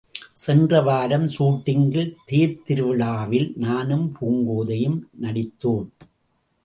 சென்ற வாரம் சூட்டிங்கில் தேர்த் திருவிழாவில் – நானும் பூங்கோதையும் நடித்தோம்.